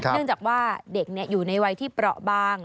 เนื่องจากว่าเด็กอยู่ในวัยที่เปราะบาง